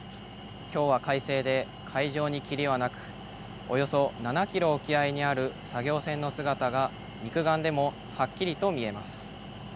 きょうは快晴で海上に霧はなくおよそ７キロ沖合にある作業船の姿が肉眼でもはっきりと見えます。